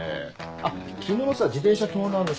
あっ昨日のさ自転車盗難の。